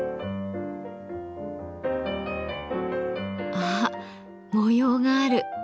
あっ模様がある。